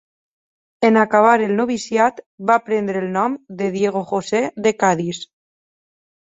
En acabar el noviciat, va prendre el nom de Diego José de Cadis.